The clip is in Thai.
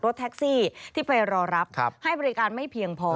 แท็กซี่ที่ไปรอรับให้บริการไม่เพียงพอ